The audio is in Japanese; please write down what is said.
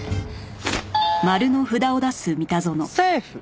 セーフ。